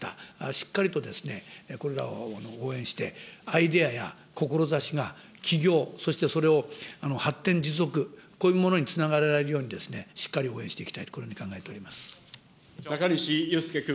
しっかりとこれらを応援して、アイデアや志が、起業、そして、それを発展持続、こういうものにつなげられるように、しっかり応援していきたいと、中西祐介君。